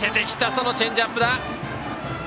そのチェンジアップだ。